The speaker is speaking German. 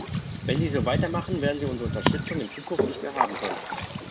Wenn Sie so weitermachen, werden Sie unsere Unterstützung in Zukunft nicht mehr haben können.